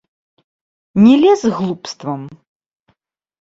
Не лезь з глупствам!